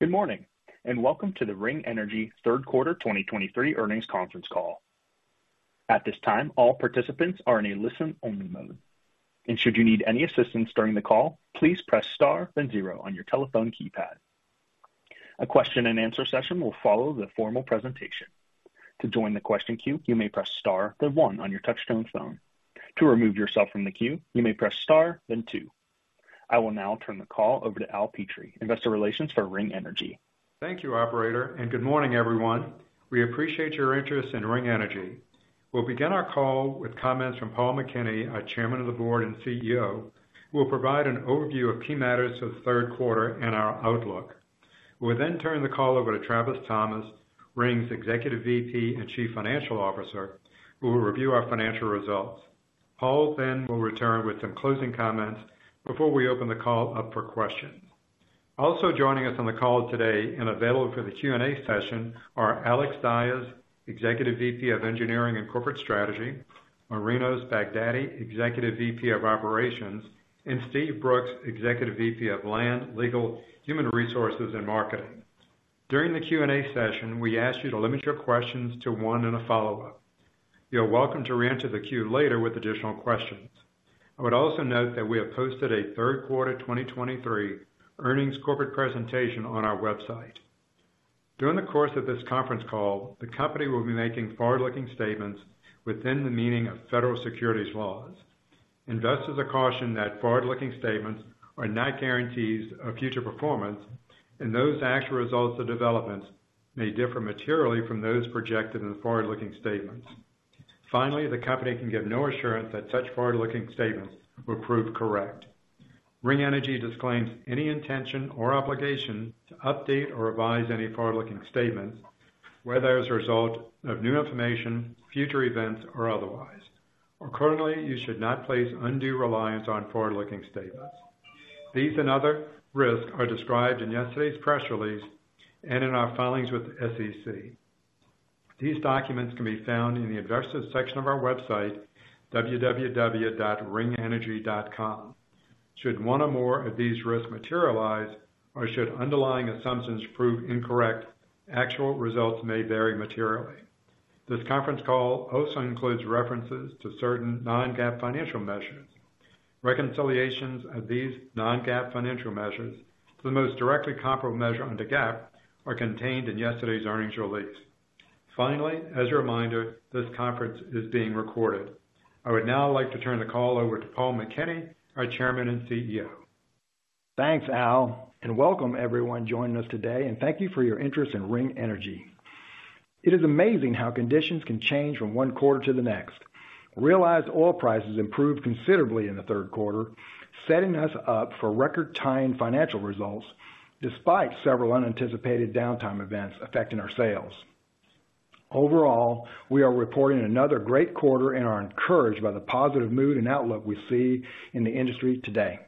Good morning, and welcome to the Ring Energy third quarter 2023 earnings conference call. At this time, all participants are in a listen-only mode, and should you need any assistance during the call, please press star then zero on your telephone keypad. A question-and-answer session will follow the formal presentation. To join the question queue, you may press star then one on your touchtone phone. To remove yourself from the queue, you may press star then two. I will now turn the call over to Al Petrie, Investor Relations for Ring Energy. Thank you, operator, and good morning, everyone. We appreciate your interest in Ring Energy. We'll begin our call with comments from Paul McKinney, our Chairman of the Board and CEO, who will provide an overview of key matters of the third quarter and our outlook. We'll then turn the call over to Travis Thomas, Ring's Executive VP and Chief Financial Officer, who will review our financial results. Paul then will return with some closing comments before we open the call up for questions. Also joining us on the call today and available for the Q&A session are Alex Dyes, Executive VP of Engineering and Corporate Strategy, Marinos Baghdati, Executive VP of Operations, and Steve Brooks, Executive VP of Land, Legal, Human Resources, and Marketing. During the Q&A session, we ask you to limit your questions to one and a follow-up. You're welcome to reenter the queue later with additional questions. I would also note that we have posted a third quarter 2023 earnings corporate presentation on our website. During the course of this conference call, the company will be making forward-looking statements within the meaning of federal securities laws. Investors are cautioned that forward-looking statements are not guarantees of future performance, and those actual results or developments may differ materially from those projected in the forward-looking statements. Finally, the company can give no assurance that such forward-looking statements will prove correct. Ring Energy disclaims any intention or obligation to update or revise any forward-looking statements, whether as a result of new information, future events, or otherwise. Accordingly, you should not place undue reliance on forward-looking statements. These and other risks are described in yesterday's press release and in our filings with the SEC. These documents can be found in the Investors section of our website, www.ringenergy.com. Should one or more of these risks materialize or should underlying assumptions prove incorrect, actual results may vary materially. This conference call also includes references to certain non-GAAP financial measures. Reconciliations of these non-GAAP financial measures to the most directly comparable measure under GAAP are contained in yesterday's earnings release. Finally, as a reminder, this conference is being recorded. I would now like to turn the call over to Paul McKinney, our Chairman and CEO. Thanks, Al, and welcome everyone joining us today, and thank you for your interest in Ring Energy. It is amazing how conditions can change from one quarter to the next. Realized oil prices improved considerably in the third quarter, setting us up for record-tying financial results despite several unanticipated downtime events affecting our sales. Overall, we are reporting another great quarter and are encouraged by the positive mood and outlook we see in the industry today.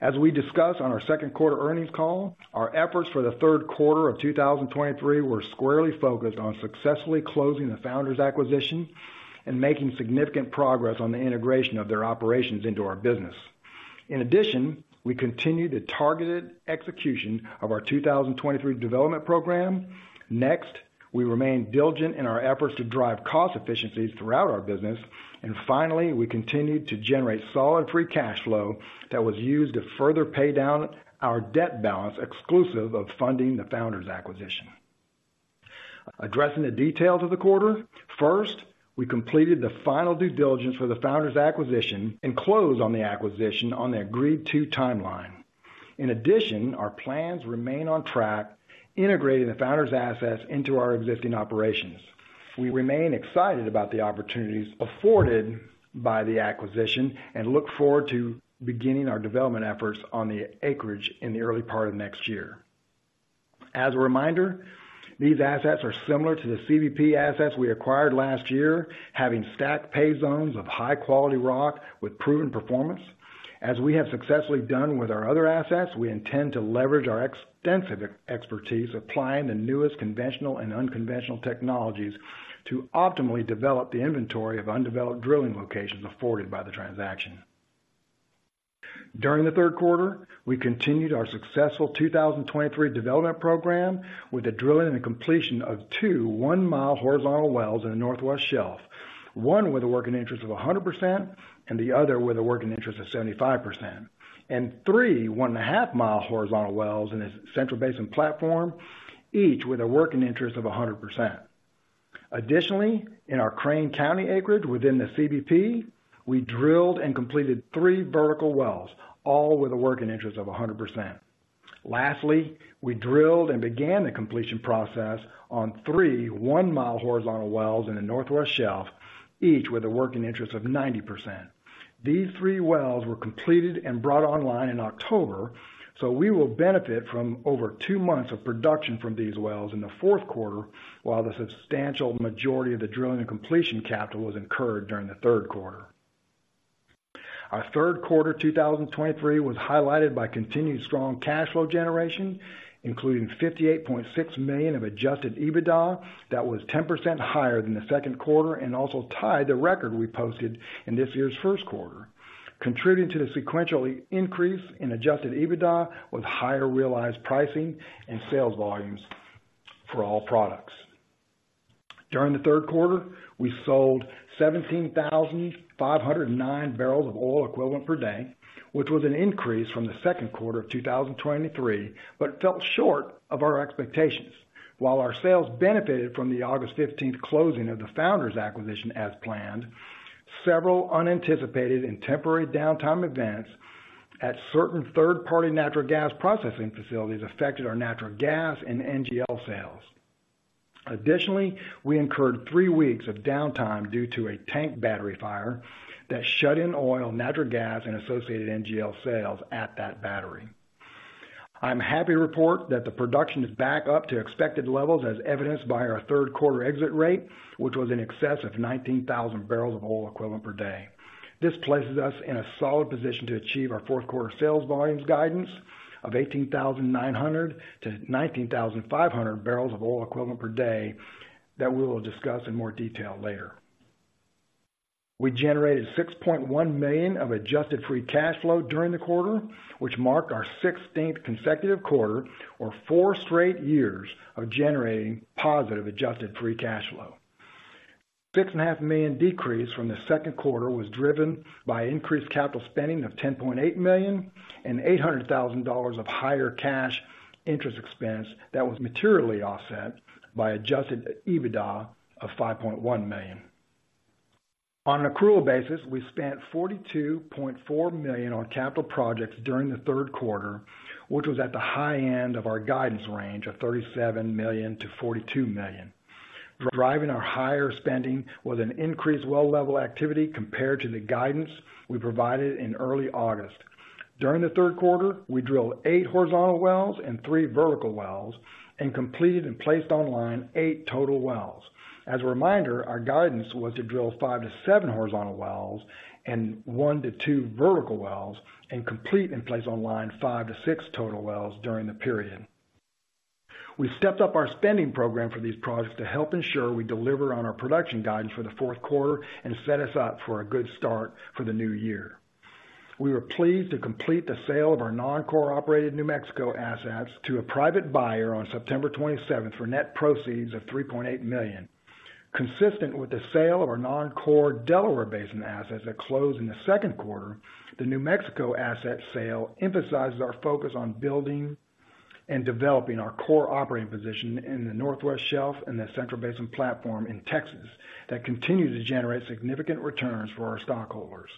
As we discussed on our second quarter earnings call, our efforts for the third quarter of 2023 were squarely focused on successfully closing the Founders acquisition and making significant progress on the integration of their operations into our business. In addition, we continued the targeted execution of our 2023 development program. Next, we remained diligent in our efforts to drive cost efficiencies throughout our business. Finally, we continued to generate solid free cash flow that was used to further pay down our debt balance, exclusive of funding the Founders acquisition. Addressing the details of the quarter. First, we completed the final due diligence for the Founders acquisition and closed on the acquisition on the agreed to timeline. In addition, our plans remain on track, integrating the Founders assets into our existing operations. We remain excited about the opportunities afforded by the acquisition and look forward to beginning our development efforts on the acreage in the early part of next year. As a reminder, these assets are similar to the CBP assets we acquired last year, having stacked pay zones of high-quality rock with proven performance. As we have successfully done with our other assets, we intend to leverage our extensive expertise, applying the newest conventional and unconventional technologies to optimally develop the inventory of undeveloped drilling locations afforded by the transaction. During the third quarter, we continued our successful 2023 development program with the drilling and completion of two 1-mile horizontal wells in the Northwest Shelf, one with a working interest of 100% and the other with a working interest of 75%, and three 1.5-mile horizontal wells in the Central Basin Platform, each with a working interest of 100%. Additionally, in our Crane County acreage within the CBP, we drilled and completed three vertical wells, all with a working interest of 100%. Lastly, we drilled and began the completion process on 3 one-mile horizontal wells in the Northwest Shelf, each with a working interest of 90%. These 3 wells were completed and brought online in October, so we will benefit from over 2 months of production from these wells in the fourth quarter, while the substantial majority of the drilling and completion capital was incurred during the third quarter. Our third quarter, 2023, was highlighted by continued strong cash flow generation, including $58.6 million of Adjusted EBITDA. That was 10% higher than the second quarter and also tied the record we posted in this year's first quarter. Contributing to the sequential increase in Adjusted EBITDA was higher realized pricing and sales volumes for all products. During the third quarter, we sold 17,509 barrels of oil equivalent per day, which was an increase from the second quarter of 2023, but fell short of our expectations. While our sales benefited from the August 15th closing of the Founders acquisition as planned, several unanticipated and temporary downtime events at certain third-party natural gas processing facilities affected our natural gas and NGL sales. Additionally, we incurred three weeks of downtime due to a tank battery fire that shut in oil, natural gas, and associated NGL sales at that battery. I'm happy to report that the production is back up to expected levels, as evidenced by our third quarter exit rate, which was in excess of 19,000 barrels of oil equivalent per day. This places us in a solid position to achieve our fourth quarter sales volumes guidance of 18,900-19,500 barrels of oil equivalent per day, that we will discuss in more detail later. We generated $6.1 million of adjusted free cash flow during the quarter, which marked our sixteenth consecutive quarter or four straight years of generating positive adjusted free cash flow. $6.5 million decrease from the second quarter was driven by increased capital spending of $10.8 million and $800,000 of higher cash interest expense that was materially offset by adjusted EBITDA of $5.1 million. On an accrual basis, we spent $42.4 million on capital projects during the third quarter, which was at the high end of our guidance range of $37 million-$42 million. Driving our higher spending was an increased well level activity compared to the guidance we provided in early August. During the third quarter, we drilled 8 horizontal wells and 3 vertical wells and completed and placed online 8 total wells. As a reminder, our guidance was to drill 5-7 horizontal wells and 1-2 vertical wells, and complete and place online 5-6 total wells during the period. We stepped up our spending program for these projects to help ensure we deliver on our production guidance for the fourth quarter and set us up for a good start for the new year. We were pleased to complete the sale of our non-core operated New Mexico assets to a private buyer on September 27th for net proceeds of $3.8 million. Consistent with the sale of our non-core Delaware Basin assets that closed in the second quarter, the New Mexico asset sale emphasizes our focus on building and developing our core operating position in the Northwest Shelf and the Central Basin Platform in Texas, that continue to generate significant returns for our stockholders.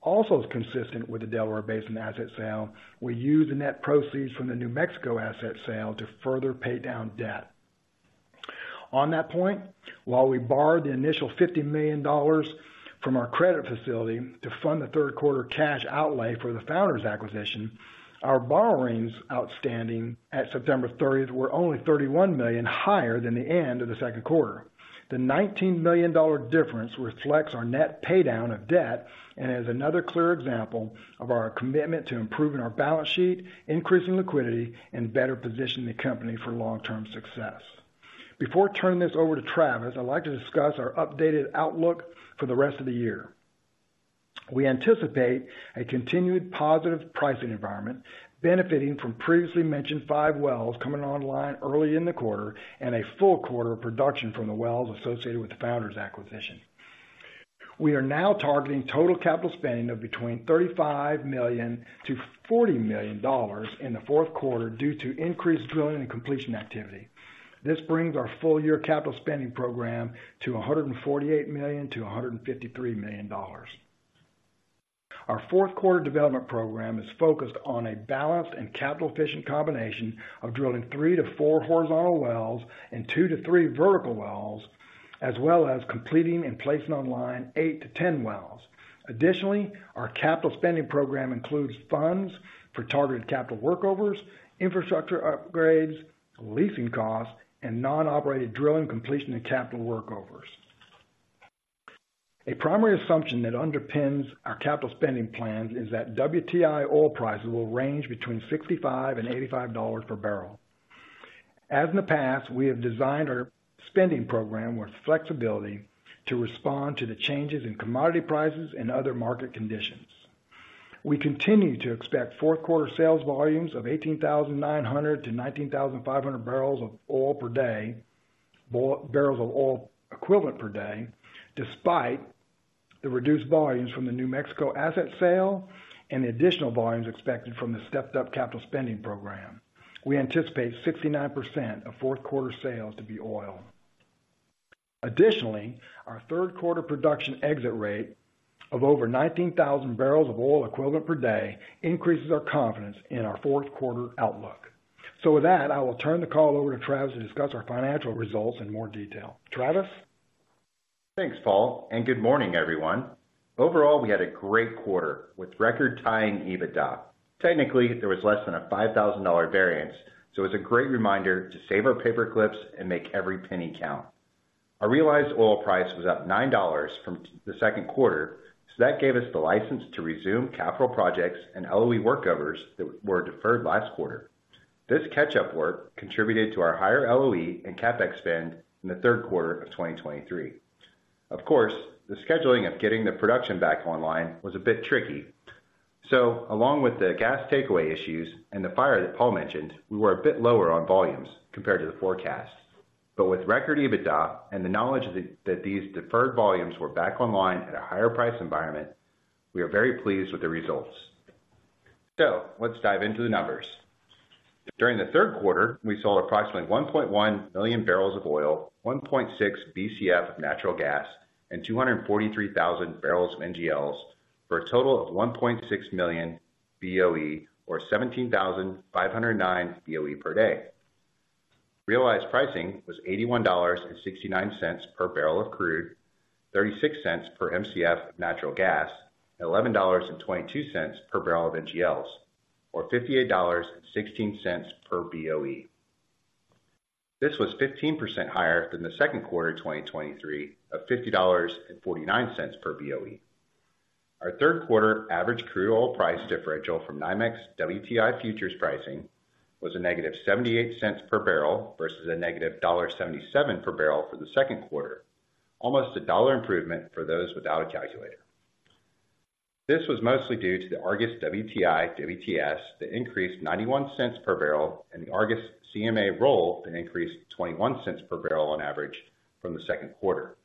Also, consistent with the Delaware Basin asset sale, we use the net proceeds from the New Mexico asset sale to further pay down debt. On that point, while we borrowed the initial $50 million from our credit facility to fund the third quarter cash outlay for the Founders acquisition, our borrowings outstanding at September 30 were only $31 million higher than the end of the second quarter. The $19 million difference reflects our net pay down of debt and is another clear example of our commitment to improving our balance sheet, increasing liquidity, and better positioning the company for long-term success. Before turning this over to Travis, I'd like to discuss our updated outlook for the rest of the year. We anticipate a continued positive pricing environment, benefiting from previously mentioned 5 wells coming online early in the quarter and a full quarter of production from the wells associated with the Founders acquisition. We are now targeting total capital spending of between $35 million-$40 million in the fourth quarter due to increased drilling and completion activity. This brings our full year capital spending program to $148 million-$153 million. Our fourth quarter development program is focused on a balanced and capital-efficient combination of drilling 3-4 horizontal wells and 2-3 vertical wells, as well as completing and placing online 8-10 wells. Additionally, our capital spending program includes funds for targeted capital workovers, infrastructure upgrades, leasing costs, and non-operated drilling, completion, and capital workovers. A primary assumption that underpins our capital spending plans is that WTI oil prices will range between $65 and $85 per barrel. As in the past, we have designed our spending program with flexibility to respond to the changes in commodity prices and other market conditions. We continue to expect fourth quarter sales volumes of 18,900-19,500 barrels of oil per day... Barrels of oil equivalent per day, despite the reduced volumes from the New Mexico asset sale and the additional volumes expected from the stepped up capital spending program. We anticipate 69% of fourth quarter sales to be oil. Additionally, our third quarter production exit rate of over 19,000 barrels of oil equivalent per day increases our confidence in our fourth quarter outlook. So with that, I will turn the call over to Travis to discuss our financial results in more detail. Travis? Thanks, Paul, and good morning, everyone. Overall, we had a great quarter with record-tying EBITDA. Technically, there was less than a $5,000 variance, so it's a great reminder to save our paperclips and make every penny count. Our realized oil price was up $9 from the second quarter, so that gave us the license to resume capital projects and LOE workovers that were deferred last quarter. This catch-up work contributed to our higher LOE and CapEx spend in the third quarter of 2023. Of course, the scheduling of getting the production back online was a bit tricky. So along with the gas takeaway issues and the fire that Paul mentioned, we were a bit lower on volumes compared to the forecast. But with record EBITDA and the knowledge that these deferred volumes were back online at a higher price environment, we are very pleased with the results. So let's dive into the numbers. During the third quarter, we sold approximately 1.1 million barrels of oil, 1.6 BCF of natural gas, and 243,000 barrels of NGLs, for a total of 1.6 million BOE or 17,509 BOE per day. Realized pricing was $81.69 per barrel of crude, $0.36 per Mcf of natural gas, and $11.22 per barrel of NGLs, or $58.16 per BOE. This was 15% higher than the second quarter of 2023, of $50.49 per BOE. Our third quarter average crude oil price differential from NYMEX WTI futures pricing was -$0.78 per barrel versus -$1.77 per barrel for the second quarter. Almost a dollar improvement for those without a calculator. This was mostly due to the Argus WTI/WTS that increased $0.91 per barrel, and the Argus CMA Roll that increased $0.21 per barrel on average from the second quarter.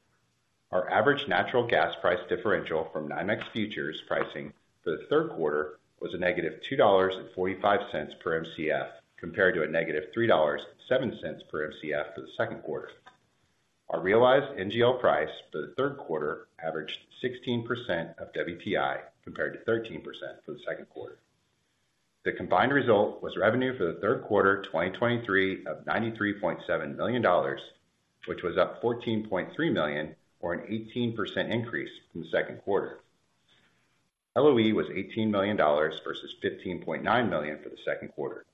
Our average natural gas price differential from NYMEX futures pricing for the third quarter was -$2.45 per Mcf, compared to -$3.07 per Mcf for the second quarter. Our realized NGL price for the third quarter averaged 16% of WTI, compared to 13% for the second quarter. The combined result was revenue for the third quarter, 2023 of $93.7 million, which was up $14.3 million, or an 18% increase from the second quarter. LOE was $18 million versus $15.9 million for the second quarter.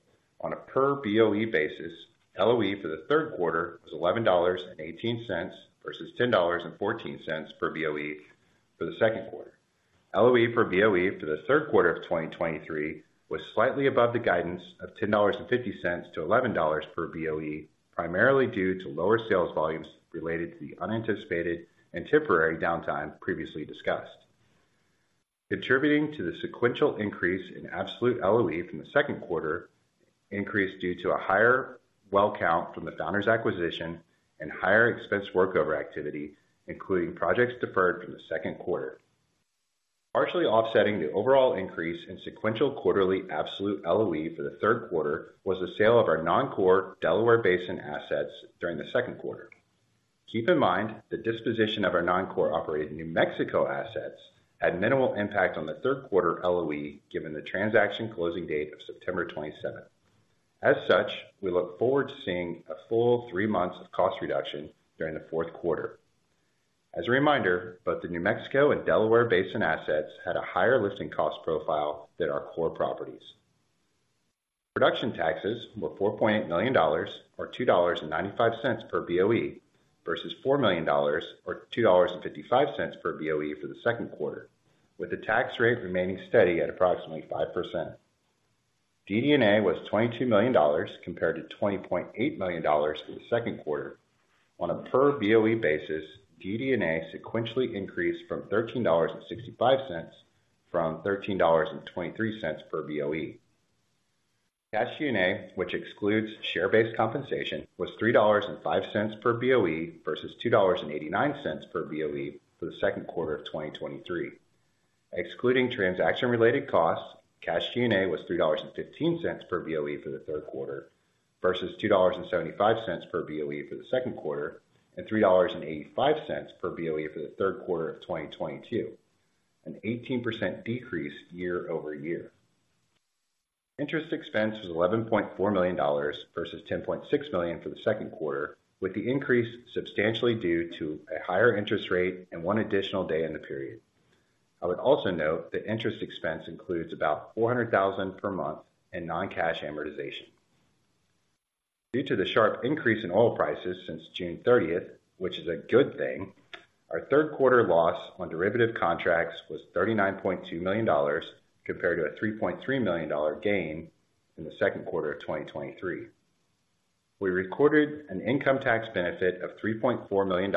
On a per BOE basis, LOE for the third quarter was $11.18 versus $10.14 per BOE for the second quarter. LOE per BOE for the third quarter of 2023 was slightly above the guidance of $10.50-$11.00 per BOE, primarily due to lower sales volumes related to the unanticipated and temporary downtime previously discussed. Contributing to the sequential increase in absolute LOE from the second quarter, increased due to a higher well count from the Founders acquisition and higher expense workover activity, including projects deferred from the second quarter. Partially offsetting the overall increase in sequential quarterly absolute LOE for the third quarter, was the sale of our non-core Delaware Basin assets during the second quarter. Keep in mind, the disposition of our non-core operated New Mexico assets had minimal impact on the third quarter LOE, given the transaction closing date of September 27. As such, we look forward to seeing a full three months of cost reduction during the fourth quarter. As a reminder, both the New Mexico and Delaware Basin assets had a higher lifting cost profile than our core properties. Production taxes were $4.8 million, or $2.95 per BOE, versus $4 million, or $2.55 per BOE for the second quarter, with the tax rate remaining steady at approximately 5%. DD&A was $22 million, compared to $20.8 million for the second quarter. On a per BOE basis, DD&A sequentially increased from $13.23 to $13.65 per BOE. Cash G&A, which excludes share-based compensation, was $3.05 per BOE versus $2.89 per BOE for the second quarter of 2023. Excluding transaction-related costs, cash G&A was $3.15 per BOE for the third quarter, versus $2.75 per BOE for the second quarter, and $3.85 per BOE for the third quarter of 2022, an 18% decrease year-over-year. Interest expense was $11.4 million versus $10.6 million for the second quarter, with the increase substantially due to a higher interest rate and one additional day in the period. I would also note that interest expense includes about $400,000 per month in non-cash amortization. Due to the sharp increase in oil prices since June 30, which is a good thing, our third quarter loss on derivative contracts was $39.2 million, compared to a $3.3 million dollar gain in the second quarter of 2023. We recorded an income tax benefit of $3.4 million,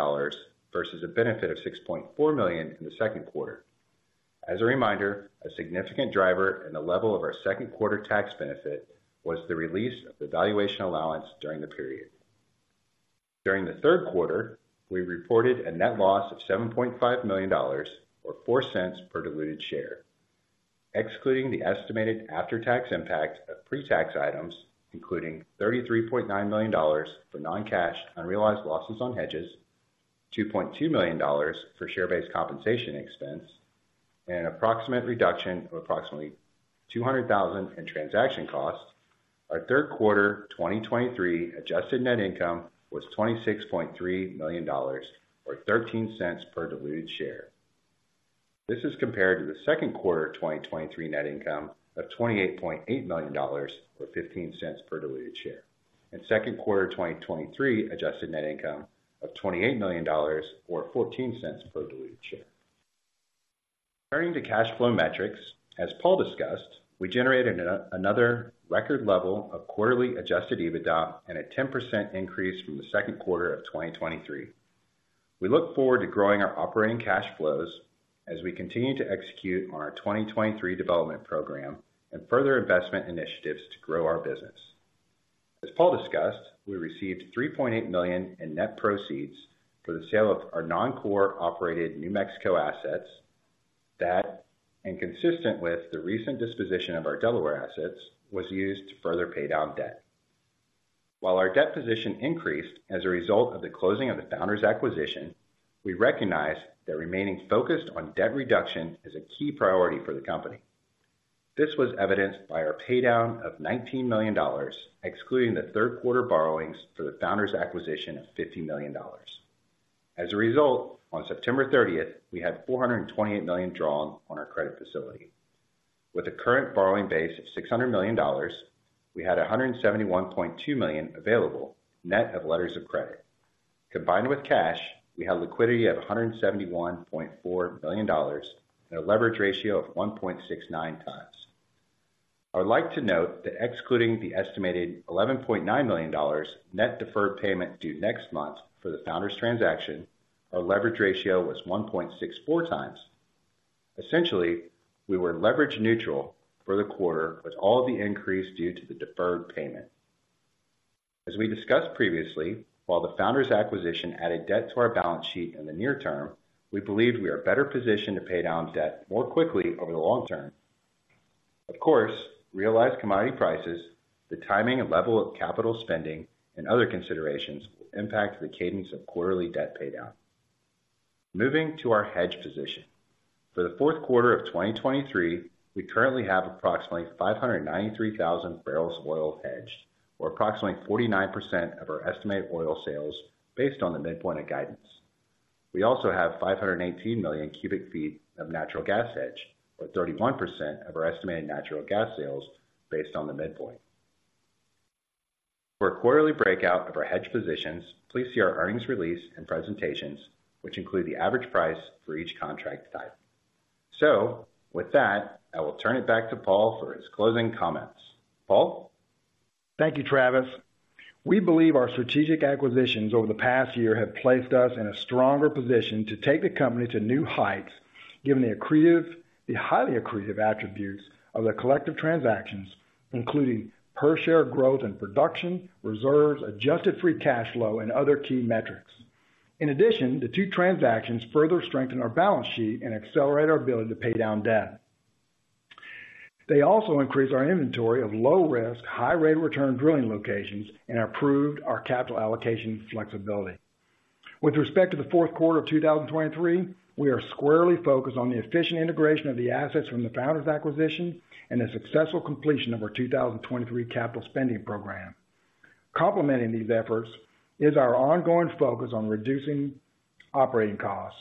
versus a benefit of $6.4 million in the second quarter. As a reminder, a significant driver in the level of our second quarter tax benefit was the release of the valuation allowance during the period. During the third quarter, we reported a net loss of $7.5 million, or $0.04 per diluted share. Excluding the estimated after-tax impact of pre-tax items, including $33.9 million for non-cash, unrealized losses on hedges, $2.2 million for share-based compensation expense, and an approximate reduction of approximately $200,000 in transaction costs, our third quarter 2023 adjusted net income was $26.3 million, or $0.13 per diluted share. This is compared to the second quarter of 2023 net income of $28.8 million, or $0.15 per diluted share, and second quarter of 2023 adjusted net income of $28 million, or $0.14 per diluted share. Turning to cash flow metrics, as Paul discussed, we generated another record level of quarterly adjusted EBITDA and a 10% increase from the second quarter of 2023. We look forward to growing our operating cash flows as we continue to execute on our 2023 development program and further investment initiatives to grow our business. As Paul discussed, we received $3.8 million in net proceeds for the sale of our non-core operated New Mexico assets. That, and consistent with the recent disposition of our Delaware assets, was used to further pay down debt. While our debt position increased as a result of the closing of the Founders acquisition, we recognize that remaining focused on debt reduction is a key priority for the company. This was evidenced by our paydown of $19 million, excluding the third quarter borrowings for the Founders acquisition of $50 million. As a result, on September 30, we had 428 million drawn on our credit facility. With a current borrowing base of $600 million, we had 171.2 million available, net of letters of credit. Combined with cash, we have liquidity of 171.4 million and a leverage ratio of 1.69 times. I would like to note that excluding the estimated $11.9 million net deferred payment due next month for the Founders transaction, our leverage ratio was 1.64 times. Essentially, we were leverage neutral for the quarter, with all of the increase due to the deferred payment. As we discussed previously, while the Founders acquisition added debt to our balance sheet in the near term, we believe we are better positioned to pay down debt more quickly over the long term. Of course, realized commodity prices, the timing and level of capital spending and other considerations will impact the cadence of quarterly debt paydown. Moving to our hedge position. For the fourth quarter of 2023, we currently have approximately 593,000 barrels of oil hedged, or approximately 49% of our estimated oil sales based on the midpoint of guidance. We also have 518 million cubic feet of natural gas hedged, or 31% of our estimated natural gas sales based on the midpoint. For a quarterly breakout of our hedge positions, please see our earnings release and presentations, which include the average price for each contract type. So with that, I will turn it back to Paul for his closing comments. Paul? Thank you, Travis. We believe our strategic acquisitions over the past year have placed us in a stronger position to take the company to new heights, given the accretive, the highly accretive attributes of the collective transactions, including per share growth and production, reserves, Adjusted Free Cash Flow and other key metrics. In addition, the two transactions further strengthen our balance sheet and accelerate our ability to pay down debt. They also increase our inventory of low risk, high rate return drilling locations and improved our capital allocation flexibility. With respect to the fourth quarter of 2023, we are squarely focused on the efficient integration of the assets from the Founders acquisition and the successful completion of our 2023 capital spending program. Complementing these efforts is our ongoing focus on reducing operating costs,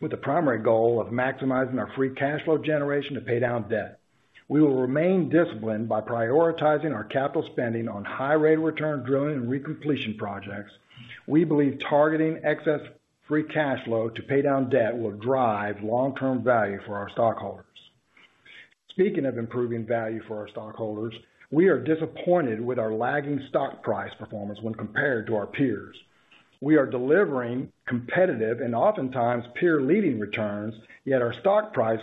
with the primary goal of maximizing our free cash flow generation to pay down debt. We will remain disciplined by prioritizing our capital spending on high rate return drilling and recompletion projects. We believe targeting excess free cash flow to pay down debt will drive long-term value for our stockholders. Speaking of improving value for our stockholders, we are disappointed with our lagging stock price performance when compared to our peers. We are delivering competitive and oftentimes peer leading returns, yet our stock price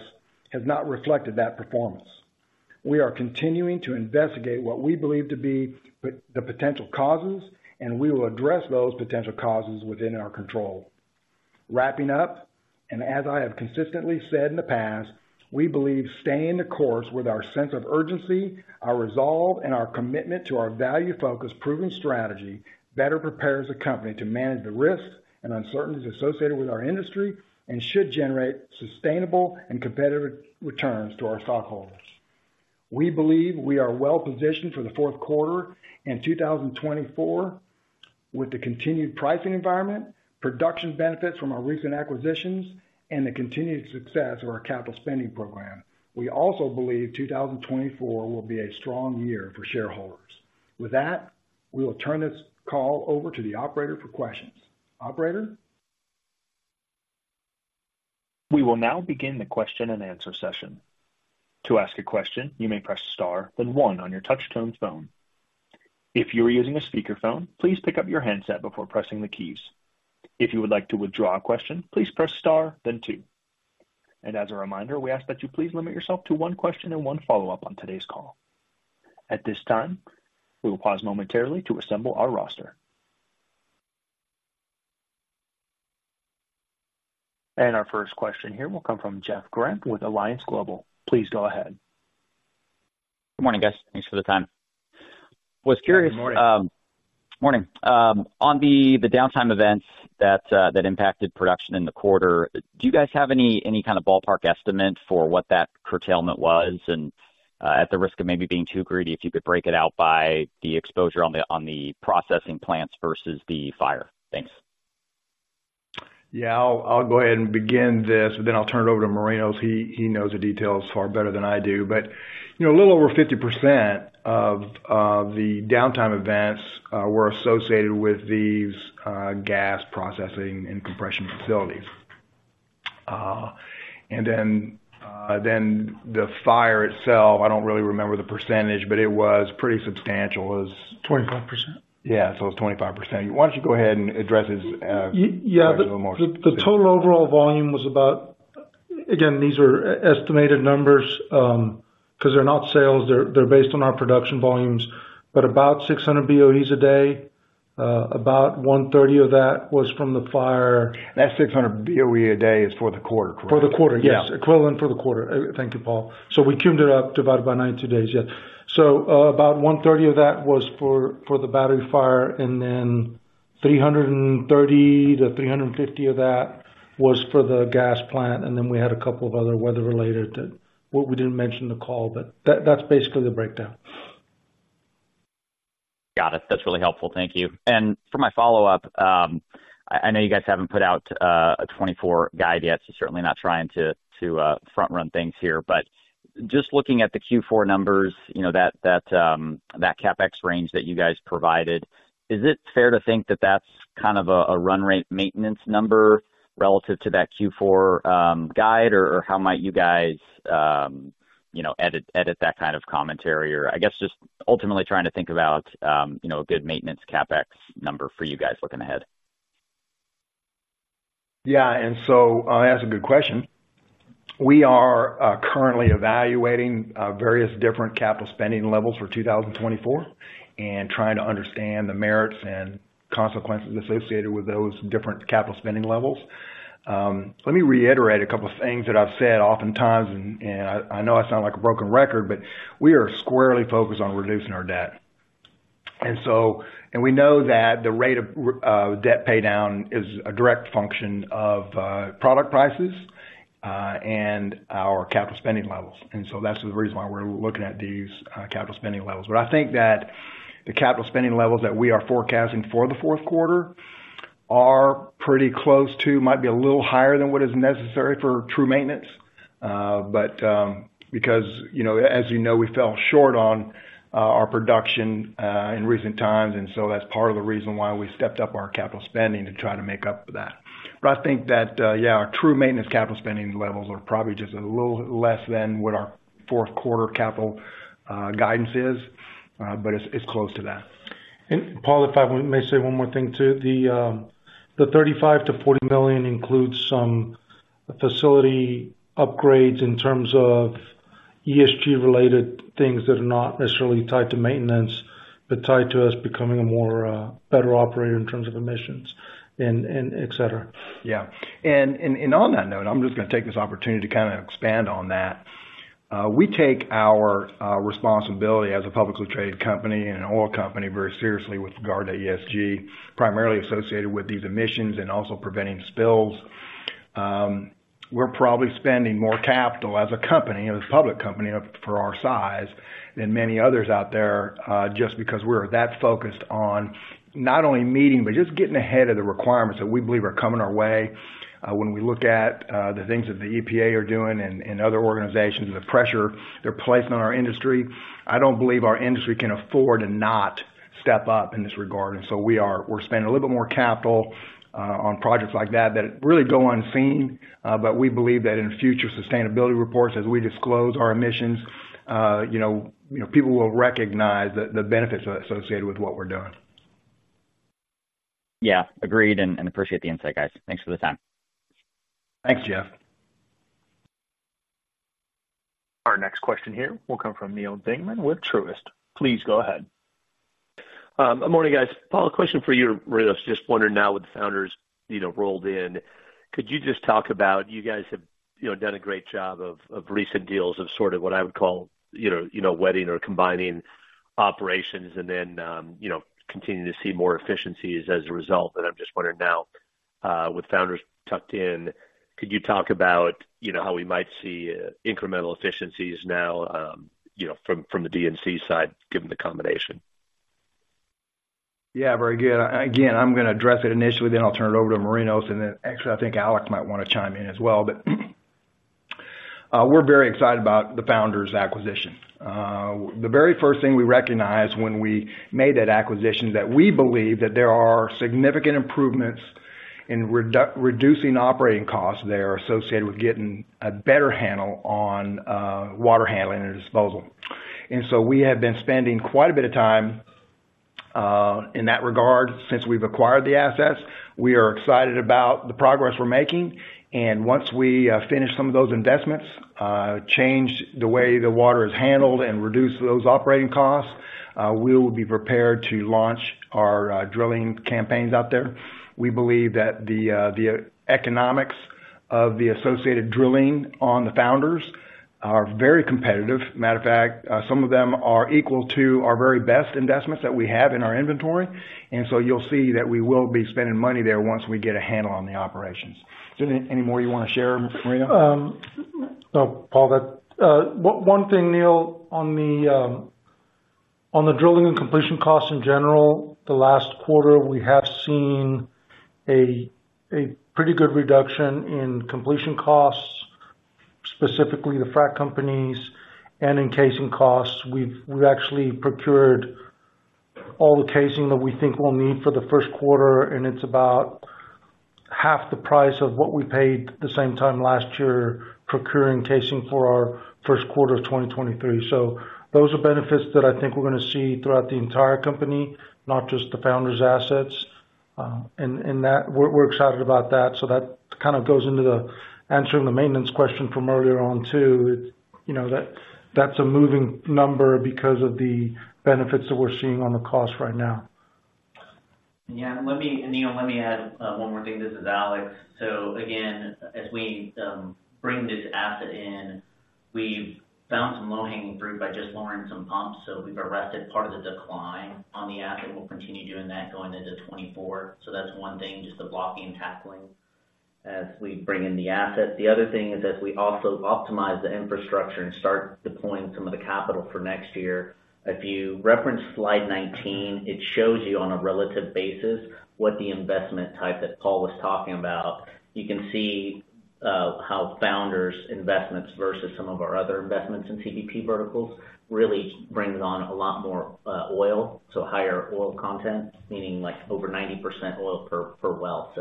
has not reflected that performance. We are continuing to investigate what we believe to be the potential causes, and we will address those potential causes within our control. Wrapping up, and as I have consistently said in the past, we believe staying the course with our sense of urgency, our resolve, and our commitment to our value focused, proven strategy, better prepares the company to manage the risks and uncertainties associated with our industry and should generate sustainable and competitive returns to our stockholders. We believe we are well positioned for the fourth quarter in 2024 with the continued pricing environment, production benefits from our recent acquisitions, and the continued success of our capital spending program. We also believe 2024 will be a strong year for shareholders. With that, we will turn this call over to the operator for questions. Operator? We will now begin the question and answer session. To ask a question, you may press star, then one on your touchtone phone. If you are using a speakerphone, please pick up your handset before pressing the keys. If you would like to withdraw a question, please press star, then two. And as a reminder, we ask that you please limit yourself to one question and one follow-up on today's call. At this time, we will pause momentarily to assemble our roster. And our first question here will come from Jeff Grampp with Alliance Global. Please go ahead. Good morning, guys. Thanks for the time. Was curious- Good morning. Morning. On the downtime events that impacted production in the quarter, do you guys have any kind of ballpark estimate for what that curtailment was? At the risk of maybe being too greedy, if you could break it out by the exposure on the processing plants versus the fire? Thanks. Yeah, I'll, I'll go ahead and begin this, but then I'll turn it over to Marinos. He, he knows the details far better than I do, but, you know, a little over 50% of the downtime events were associated with these gas processing and compression facilities. And then the fire itself, I don't really remember the percentage, but it was pretty substantial. It was- Twenty-five percent. Yeah, so it was 25%. Why don't you go ahead and address his. Yeah, the total overall volume was about... Again, these are estimated numbers, 'cause they're not sales, they're based on our production volumes, but about 600 BOEs a day. About 130 of that was from the fire. That 600 BOE a day is for the quarter, correct? For the quarter, yes. Yeah. Equivalent for the quarter. Thank you, Paul. So we tuned it up, divided by 90 days. Yeah. So, about $130 of that was for the battery fire, and then $330-$350 of that was for the gas plant. And then we had a couple of other weather-related that, what we didn't mention in the call, but that, that's basically the breakdown. Got it. That's really helpful. Thank you. For my follow-up, I know you guys haven't put out a 2024 guide yet, so certainly not trying to front-run things here, but just looking at the Q4 numbers, you know, that CapEx range that you guys provided, is it fair to think that that's kind of a run rate maintenance number relative to that Q4 guide? Or how might you guys, you know, edit that kind of commentary? Or I guess just ultimately trying to think about, you know, a good maintenance CapEx number for you guys looking ahead. Yeah, and so, that's a good question. We are currently evaluating various different capital spending levels for 2024, and trying to understand the merits and consequences associated with those different capital spending levels. Let me reiterate a couple of things that I've said oftentimes, and I know I sound like a broken record, but we are squarely focused on reducing our debt. And so we know that the rate of debt paydown is a direct function of product prices and our capital spending levels. And so that's the reason why we're looking at these capital spending levels. But I think that the capital spending levels that we are forecasting for the fourth quarter are pretty close to, might be a little higher than what is necessary for true maintenance. But because, you know, as you know, we fell short on our production in recent times, and so that's part of the reason why we stepped up our capital spending to try to make up for that. But I think that, yeah, our true maintenance capital spending levels are probably just a little less than what our fourth quarter capital guidance is, but it's close to that. And Paul, if I may say one more thing, too. The $35 million-$40 million includes some facility upgrades in terms of ESG-related things that are not necessarily tied to maintenance, but tied to us becoming a more better operator in terms of emissions and et cetera. Yeah. On that note, I'm just gonna take this opportunity to kinda expand on that. We take our responsibility as a publicly traded company and an oil company very seriously with regard to ESG, primarily associated with these emissions and also preventing spills. We're probably spending more capital as a company, as a public company, for our size, than many others out there, just because we're that focused on not only meeting, but just getting ahead of the requirements that we believe are coming our way. When we look at the things that the EPA are doing and other organizations, the pressure they're placing on our industry, I don't believe our industry can afford to not step up in this regard. And so we're spending a little bit more capital on projects like that that really go unseen. But we believe that in future sustainability reports, as we disclose our emissions, you know, you know, people will recognize the benefits associated with what we're doing. Yeah, agreed, and appreciate the insight, guys. Thanks for the time. Thanks, Jeff. Our next question here will come from Neal Dingmann with Truist. Please go ahead. Good morning, guys. Paul, a question for you. I was just wondering now with the Founders, you know, rolled in, could you just talk about... You guys have, you know, done a great job of, of recent deals of sort of what I would call, you know, you know, wedding or combining operations and then, you know, continuing to see more efficiencies as a result. And I'm just wondering now, with Founders tucked in, could you talk about, you know, how we might see, incremental efficiencies now, you know, from, from the D&C side, given the combination? Yeah, very good. Again, I'm gonna address it initially, then I'll turn it over to Marinos, and then actually, I think Alex might want to chime in as well. But, we're very excited about the Founders acquisition. The very first thing we recognized when we made that acquisition, that we believe that there are significant improvements in reducing operating costs there, associated with getting a better handle on, water handling and disposal. And so we have been spending quite a bit of time, in that regard since we've acquired the assets. We are excited about the progress we're making, and once we, finish some of those investments, change the way the water is handled and reduce those operating costs, we will be prepared to launch our, drilling campaigns out there. We believe that the economics of the associated drilling on the Founders are very competitive. Matter of fact, some of them are equal to our very best investments that we have in our inventory, and so you'll see that we will be spending money there once we get a handle on the operations. Is there any more you want to share, Marinos? No, Paul, that. One thing, Neal, on the drilling and completion costs in general, the last quarter, we have seen a pretty good reduction in completion costs, specifically the frac companies and in casing costs. We've actually procured all the casing that we think we'll need for the first quarter, and it's about half the price of what we paid the same time last year, procuring casing for our first quarter of 2023. So those are benefits that I think we're gonna see throughout the entire company, not just the Founders assets. And that, we're excited about that. So that kind of goes into the answering the maintenance question from earlier on, too. You know, that's a moving number because of the benefits that we're seeing on the cost right now. Yeah, let me, you know, let me add one more thing. This is Alex. So again, as we bring this asset in, we've found some low-hanging fruit by just lowering some pumps, so we've arrested part of the decline on the asset. We'll continue doing that going into 2024. So that's one thing, just the blocking and tackling as we bring in the asset. The other thing is, as we also optimize the infrastructure and start deploying some of the capital for next year, if you reference slide 19, it shows you on a relative basis what the investment type that Paul was talking about. You can see how Founders investments versus some of our other investments in CBP verticals really brings on a lot more oil, so higher oil content, meaning, like, over 90% oil per well.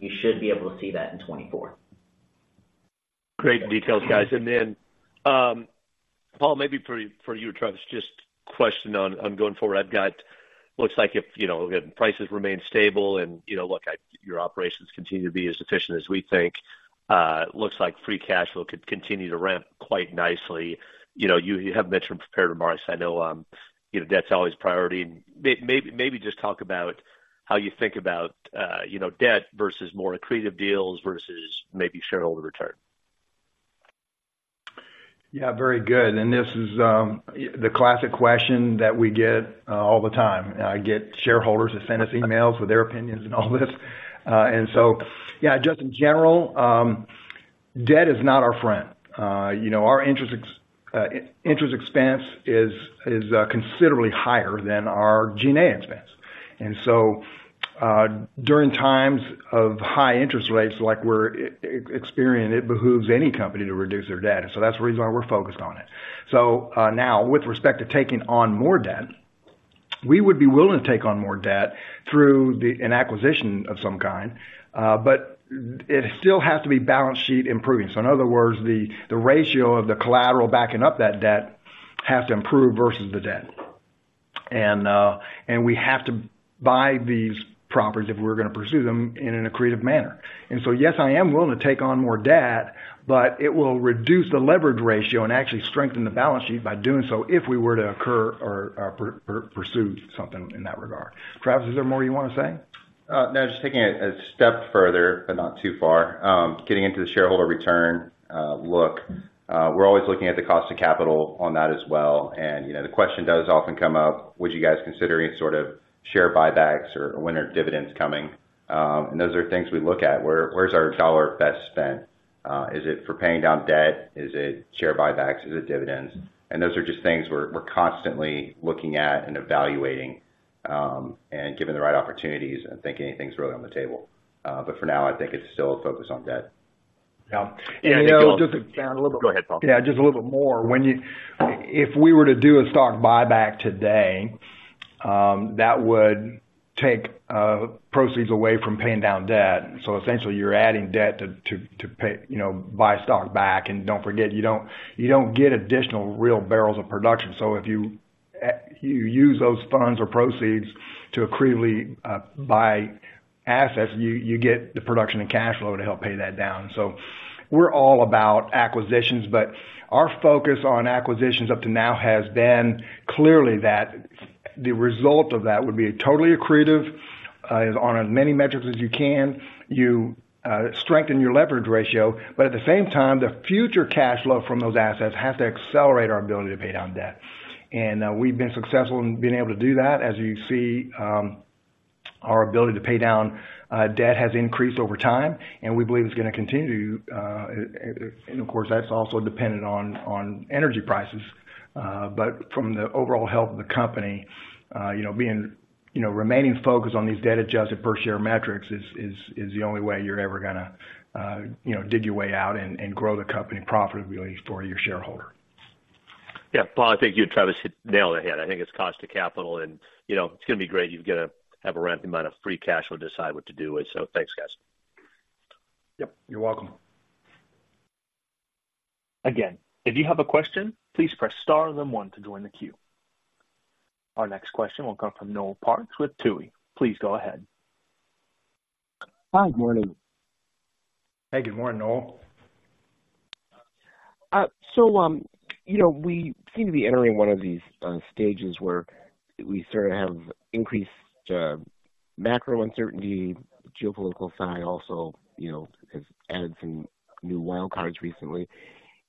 You should be able to see that in 2024. Great details, guys. And then, Paul, maybe for you, Travis, just question on going forward. I've got. Looks like if, you know, prices remain stable and, you know, your operations continue to be as efficient as we think, looks like free cash flow could continue to ramp quite nicely. You know, you have mentioned prepared remarks. I know, you know, debt's always priority. Maybe just talk about how you think about, you know, debt versus more accretive deals versus maybe shareholder return. Yeah, very good. And this is the classic question that we get all the time. I get shareholders that send us emails with their opinions and all this. And so, yeah, just in general, debt is not our friend. You know, our interest expense is considerably higher than our G&A expense. And so, during times of high interest rates, like we're experiencing, it behooves any company to reduce their debt. So that's the reason why we're focused on it. So, now, with respect to taking on more debt, we would be willing to take on more debt through an acquisition of some kind, but it still has to be balance sheet improving. So in other words, the ratio of the collateral backing up that debt has to improve versus the debt. And we have to buy these properties if we're gonna pursue them in an accretive manner. And so, yes, I am willing to take on more debt, but it will reduce the leverage ratio and actually strengthen the balance sheet by doing so, if we were to occur or pursue something in that regard. Travis, is there more you want to say? No, just taking it a step further, but not too far. Getting into the shareholder return, look, we're always looking at the cost of capital on that as well. You know, the question does often come up: Would you guys consider any sort of share buybacks or when are dividends coming? And those are things we look at. Where's our dollar best spent? Is it for paying down debt? Is it share buybacks? Is it dividends? And those are just things we're constantly looking at and evaluating, and given the right opportunities, I think anything's really on the table. But for now, I think it's still a focus on debt. Yeah. And, you know, just a little- Go ahead, Paul. Yeah, just a little bit more. If we were to do a stock buyback today, that would take proceeds away from paying down debt. So essentially, you're adding debt to pay, you know, buy stock back. And don't forget, you don't get additional real barrels of production. So if you use those funds or proceeds to accretively buy assets, you get the production and cash flow to help pay that down. So we're all about acquisitions, but our focus on acquisitions up to now has been clearly that the result of that would be totally accretive on as many metrics as you can. You strengthen your leverage ratio, but at the same time, the future cash flow from those assets has to accelerate our ability to pay down debt. We've been successful in being able to do that. As you see, our ability to pay down debt has increased over time, and we believe it's gonna continue to. And of course, that's also dependent on energy prices. But from the overall health of the company, you know, being, you know, remaining focused on these debt-adjusted per-share metrics is the only way you're ever gonna, you know, dig your way out and grow the company profitably for your shareholder. Yeah. Paul, I think you and Travis hit the nail on the head. I think it's cost of capital and, you know, it's gonna be great. You've got to have a random amount of free cash flow, decide what to do with. So thanks, guys. Yep, you're welcome. Again, if you have a question, please press star, then one to join the queue. Our next question will come from Noel Parks with Tuohy. Please go ahead. Hi, good morning. Hey, good morning, Noel. So, you know, we seem to be entering one of these stages where we sort of have increased macro uncertainty. Geopolitical side also, you know, has added some new wild cards recently.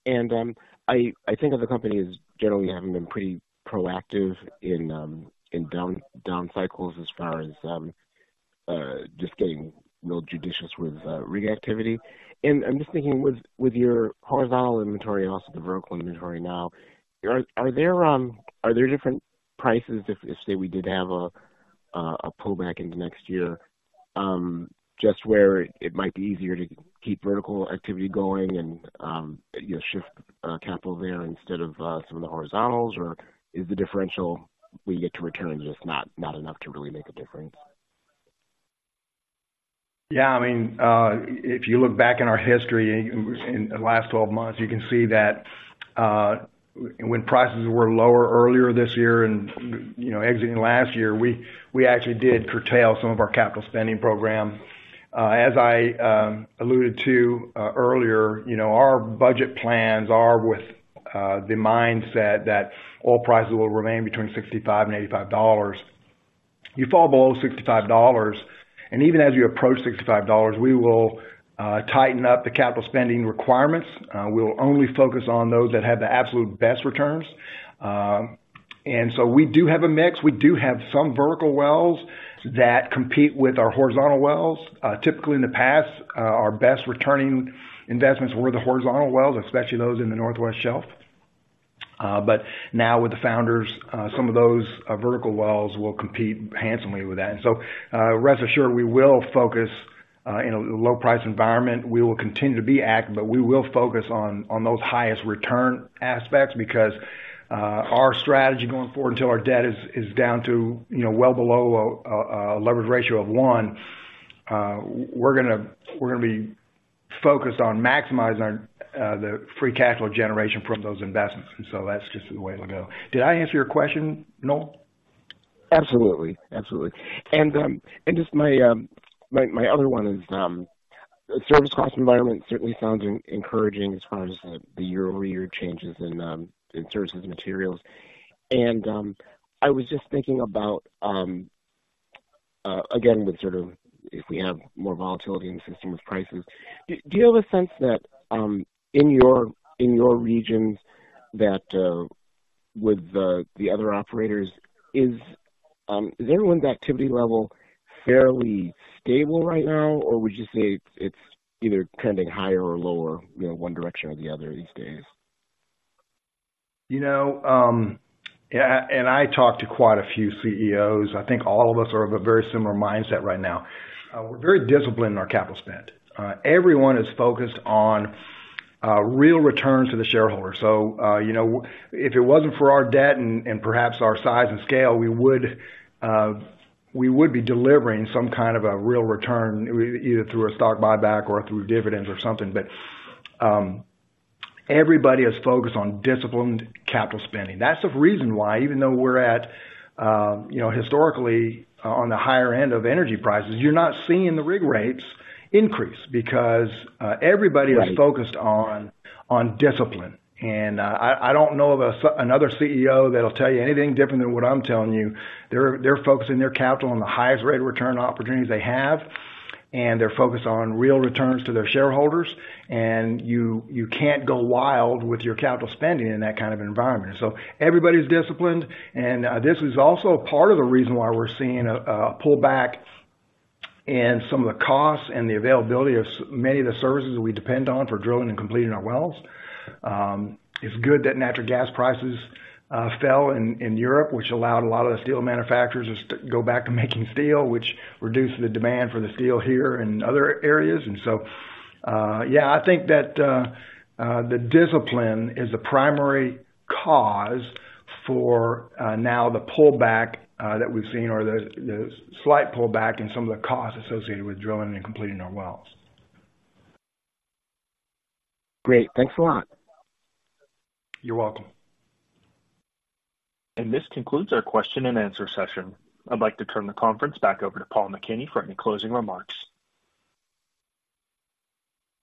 And I think of the company as generally having been pretty proactive in down cycles as far as just getting real judicious with rig activity. And I'm just thinking with your horizontal inventory and also the vertical inventory now, are there different prices if, say, we did have a. A pullback into next year, just where it might be easier to keep vertical activity going and, you know, shift, capital there instead of, some of the horizontals? Or is the differential we get to return just not, not enough to really make a difference? Yeah, I mean, if you look back in our history, in the last 12 months, you can see that, when prices were lower earlier this year and, you know, exiting last year, we actually did curtail some of our capital spending program. As I alluded to earlier, you know, our budget plans are with the mindset that oil prices will remain between $65 and $85. You fall below $65, and even as you approach $65, we will tighten up the capital spending requirements. We'll only focus on those that have the absolute best returns. And so we do have a mix. We do have some vertical wells that compete with our horizontal wells. Typically, in the past, our best returning investments were the horizontal wells, especially those in the Northwest Shelf. But now with the Founders, some of those vertical wells will compete handsomely with that. And so, rest assured, we will focus in a low price environment. We will continue to be active, but we will focus on those highest return aspects, because our strategy going forward until our debt is down to, you know, well below a leverage ratio of one, we're gonna be focused on maximizing our the free cash flow generation from those investments. So that's just the way it'll go. Did I answer your question, Noel? Absolutely. Absolutely. And just my other one is service cost environment certainly sounds encouraging as far as the year-over-year changes in services and materials. And I was just thinking about again, with sort of if we have more volatility in the system with prices. Do you have a sense that in your regions, that with the other operators, is everyone's activity level fairly stable right now? Or would you say it's either trending higher or lower, you know, one direction or the other these days? You know, yeah, and I talk to quite a few CEOs. I think all of us are of a very similar mindset right now. We're very disciplined in our capital spend. Everyone is focused on real returns to the shareholder. So, you know, if it wasn't for our debt and, and perhaps our size and scale, we would be delivering some kind of a real return, either through a stock buyback or through dividends or something. But, everybody is focused on disciplined capital spending. That's the reason why, even though we're at, you know, historically, on the higher end of energy prices, you're not seeing the rig rates increase because, everybody- Right. Is focused on discipline. And I don't know of another CEO that'll tell you anything different than what I'm telling you. They're focusing their capital on the highest rate of return opportunities they have, and they're focused on real returns to their shareholders. And you can't go wild with your capital spending in that kind of environment. So everybody's disciplined, and this is also part of the reason why we're seeing a pullback in some of the costs and the availability of many of the services that we depend on for drilling and completing our wells. It's good that natural gas prices fell in Europe, which allowed a lot of the steel manufacturers to go back to making steel, which reduced the demand for the steel here and other areas. So, yeah, I think that the discipline is the primary cause for now the pullback that we've seen or the slight pullback in some of the costs associated with drilling and completing our wells. Great. Thanks a lot. You're welcome. This concludes our question and answer session. I'd like to turn the conference back over to Paul McKinney for any closing remarks.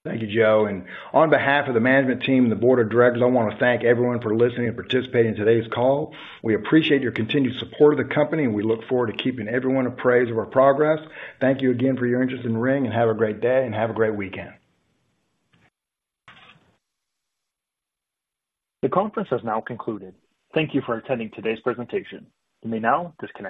Thank you, Joe, and on behalf of the management team and the board of directors, I want to thank everyone for listening and participating in today's call. We appreciate your continued support of the company, and we look forward to keeping everyone appraised of our progress. Thank you again for your interest in Ring, and have a great day, and have a great weekend. The conference has now concluded. Thank you for attending today's presentation. You may now disconnect.